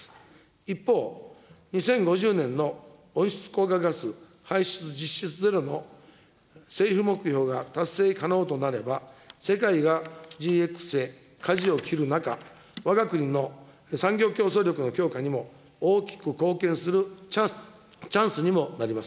一方、２０５０年の温室効果ガス排出実質ゼロの政府目標が達成可能となれば、世界がＧＸへかじを切る中、わが国の産業競争力の強化にも大きく貢献するチャンスにもなります。